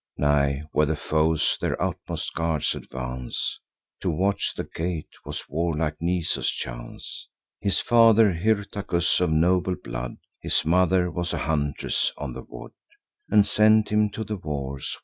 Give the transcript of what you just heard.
Nigh where the foes their utmost guards advance, To watch the gate was warlike Nisus' chance. His father Hyrtacus of noble blood; His mother was a huntress of the wood, And sent him to the wars.